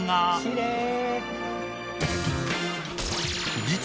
きれい！